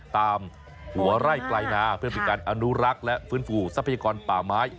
ตามหัวไร่ปลายนาเพื่อเป็นการอนุรักษ์และฟื้นฟูทรัพยากรป่าไม้